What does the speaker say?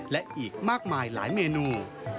และอีกมากมายหลายเมนู